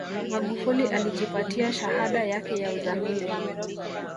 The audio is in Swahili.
magufuli alijipatia shahada yake ya uzamili